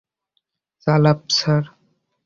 চালাব, স্যার!